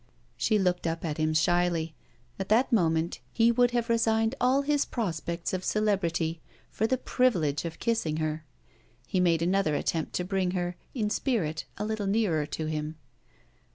She looked up at him shyly. At that moment, he would have resigned all his prospects of celebrity for the privilege of kissing her. He made another attempt to bring her in spirit a little nearer to him.